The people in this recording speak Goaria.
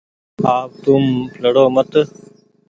آپ توم لڙو مت